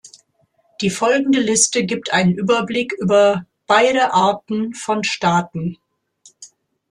Die folgende Liste gibt einen Überblick über beide Arten von Staaten.